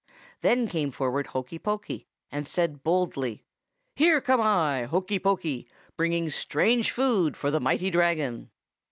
Then came forward Hokey Pokey, and said boldly,— "'Here come I, Hokey Pokey, bringing strange food for the mighty Dragon.